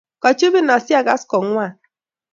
kachubin asiagas kong'wan.